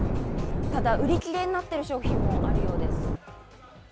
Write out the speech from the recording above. ただ、売り切れになっている商品もあるようです。